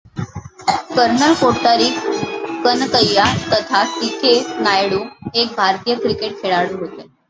Colonel Cottari Kanakaiya तथा C. K. Nayudu हे एक भारतीय क्रिकेट खेळाडू होते.